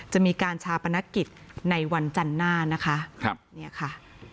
จะมีการชาปนกิจในวันจันทร์หน้านะคะ